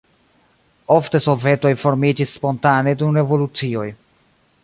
Ofte sovetoj formiĝis spontane dum revolucioj.